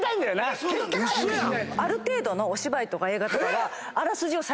ある程度のお芝居とか映画とかは。